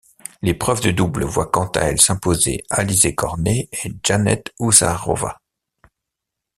L'épreuve de double voit quant à elle s'imposer Alizé Cornet et Janette Husárová.